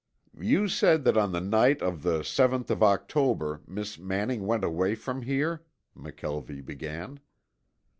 "You said that on the night of the seventh of October, Miss Manning went away from here?" McKelvie began.